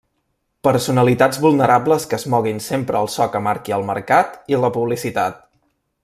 Personalitats vulnerables que es moguin sempre al so que marqui el mercat i la publicitat.